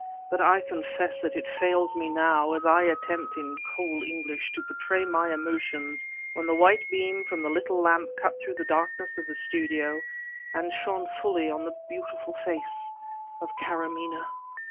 But I confess that it fails me now as I attempt in cold English to portray my emotions when the white beam from the little lamp cut through the darkness of the studio, and shone fully upon the beautiful face of Karamaneh!